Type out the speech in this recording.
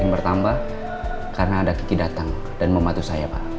dan bertambah karena ada kiki datang dan membantu saya pak